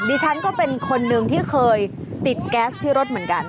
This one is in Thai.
ดิฉันก็เป็นคนหนึ่งที่เคยติดแก๊สที่รถเหมือนกัน